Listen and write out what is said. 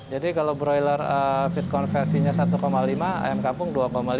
jadi kalau broiler fit konversinya satu lima ayam kampung dua lima